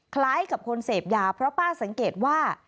คล้ายกับคนเสพยาเพราะป้าสังเกตว่า